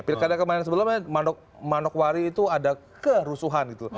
pilkada kemarin sebelumnya manokwari itu ada kerusuhan gitu